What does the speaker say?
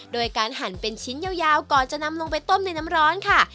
โดยการหั่นเป็นชิ้นยาวก่อนจะนำลงไปต้มในน้ำร้อนค่ะ